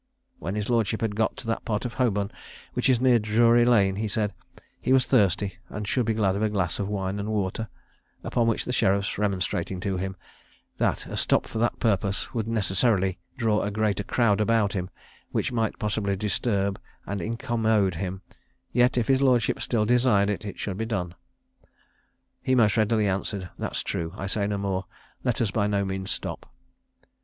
When his lordship had got to that part of Holborn which is near Drury lane, he said "he was thirsty, and should be glad of a glass of wine and water;" upon which the sheriffs remonstrating to him, "that a stop for that purpose would necessarily draw a greater crowd about him, which night possibly disturb and incommode him, yet, if his lordship still desired it, it should be done," he most readily answered, "That's true I say no more let us by no means stop."